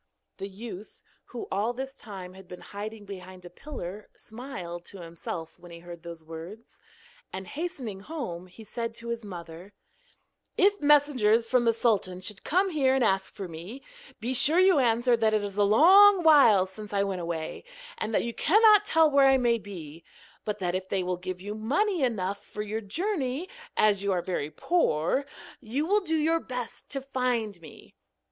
The youth, who all this time had been hiding behind a pillar, smiled to himself when he heard these words, and, hastening home, he said to his mother: 'If messengers from the sultan should come here and ask for me, be sure you answer that it is a long while since I went away, and that you cannot tell where I may be, but that if they will give you money enough for your journey, as you are very poor, you will do your best to find me.'